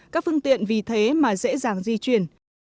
các phương tiện vì thế mà dễ dàng di chuyển